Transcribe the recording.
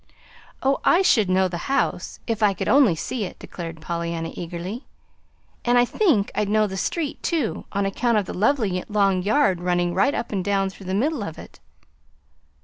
"Oh, I should know the house, if I could only see it," declared Pollyanna, eagerly; "and I think I'd know the street, too, on account of the lovely long yard running right up and down through the middle of it."